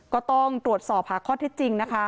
ก็ต้องตรวจสอบหาข้อเท็จจริงนะคะ